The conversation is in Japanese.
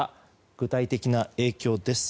具体的な影響です。